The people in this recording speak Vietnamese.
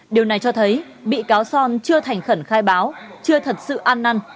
điều này cho thấy bị cáo son chưa thành khẩn khai báo chưa thật sự an năn